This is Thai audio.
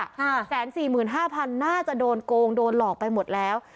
แสนสี่หมื่นห้าพันน่าจะโดนโกงโดนหลอกไปหมดแล้ว